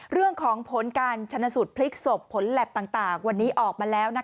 เรื่องของผลการชนะสูตรพลิกศพผลแล็บต่างวันนี้ออกมาแล้ว